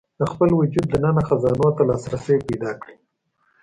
د خپل وجود دننه خزانو ته لاسرسی پيدا کړي.